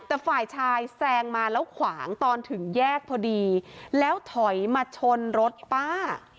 แต่ฝ่ายชายแซงมาแล้วขวางตอนถึงแยกพอดีแล้วถอยมาชนรถป้า